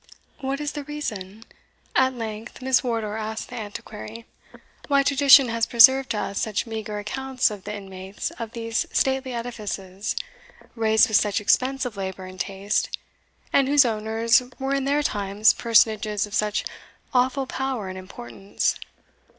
"What is the reason," at length Miss Wardour asked the Antiquary, "why tradition has preserved to us such meagre accounts of the inmates of these stately edifices, raised with such expense of labour and taste, and whose owners were in their times personages of such awful power and importance?